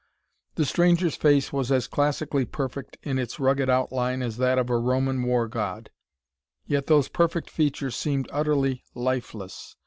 The stranger's face was as classically perfect in its rugged outline as that of a Roman war god, yet those perfect features seemed utterly lifeless.